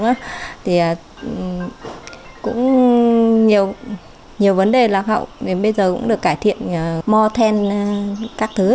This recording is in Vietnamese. thì cũng nhiều vấn đề lạc hậu bây giờ cũng được cải thiện more than các thứ